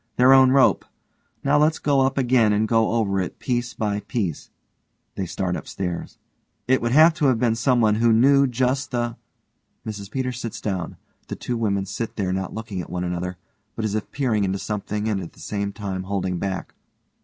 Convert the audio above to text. Their own rope. Now let's go up again and go over it piece by piece. (they start upstairs) It would have to have been someone who knew just the (MRS PETERS _sits down. The two women sit there not looking at one another, but as if peering into something and at the same time holding back.